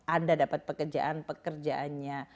anda dapat pekerjaan pekerjaannya